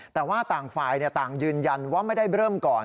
แต่ว่าต่างฝ่ายต่างยืนยันว่าไม่ได้เริ่มก่อน